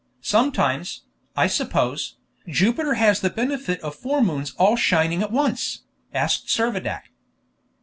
Sometimes, I suppose, Jupiter has the benefit of four moons all shining at once?" asked Servadac.